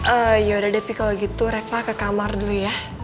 eh yaudah deh kalau gitu reva ke kamar dulu ya